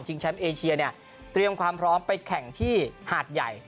ชิงแชมป์เอเชียเนี่ยต้องการพร้อมไปแข่งที่หาดใหญ่